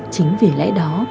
chính vì lẽ đó